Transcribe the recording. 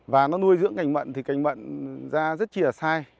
và nó nuôi dưỡng cành mận thì cành mận ra rất chìa sai